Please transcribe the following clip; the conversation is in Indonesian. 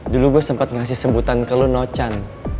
dulu gue sempat ngasih sebutan ke lo nochan